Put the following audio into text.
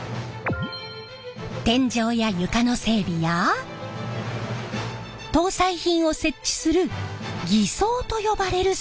天井や床の整備や搭載品を設置する艤装と呼ばれる作業！